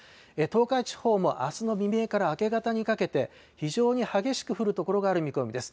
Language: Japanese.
東海地方もあすの未明から明け方にかけて、非常に激しく降る所がある見込みです。